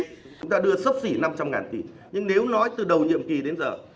chúng ta đưa sấp xỉ năm trăm linh tỷ nhưng nếu nói từ đầu nhiệm kỳ đến giờ